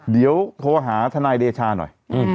เดี๋ยวโทรหาทนายเดชาหน่อย